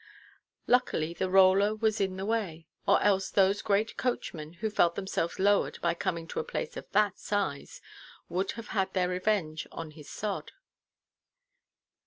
Luckily the roller was in the way; or else those great coachmen, who felt themselves lowered by coming to a place of that size, would have had their revenge on the sod.